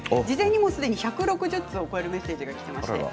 事前に１６０通を超えるメッセージがきています。